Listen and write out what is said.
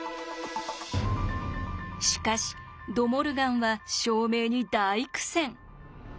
しかしド・モルガンは証明に大苦戦。